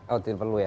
oh tidak perlu ya